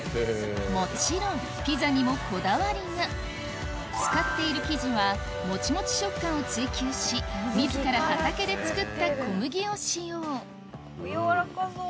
もちろんピザにもこだわりが使っている生地はモチモチ食感を追求し自ら畑で作った小麦を使用やわらかそう。